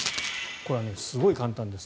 これはすごい簡単です。